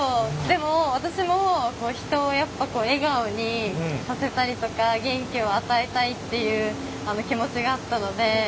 でも私も人をやっぱ笑顔にさせたりとか元気を与えたいっていう気持ちがあったので。